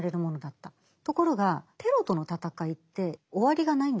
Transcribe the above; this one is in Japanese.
ところがテロとの戦いって終わりがないんですよ。